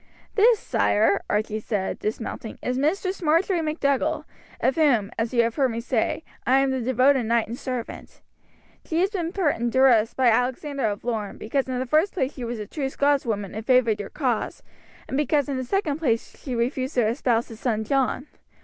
"This, sire," Archie said, dismounting, "is Mistress Marjory MacDougall, of whom, as you have heard me say, I am the devoted knight and servant. She has been put in duress by Alexander of Lorne because in the first place she was a true Scots woman and favoured your cause, and because in the second place she refused to espouse his son John.